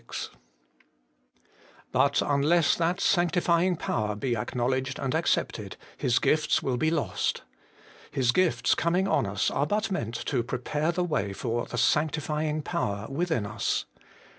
15 26.) But unless that sanctifying power be acknowledged and accepted, His gifts will be lost. His gifts coming on us are but meant to prepare the way for the sanctifying power within us.